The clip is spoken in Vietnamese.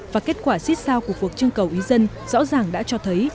và kết quả xích sao của cuộc trưng cầu ý dân rõ ràng đã cho thấy